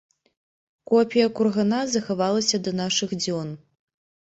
Копія кургана захавалася да нашых дзён.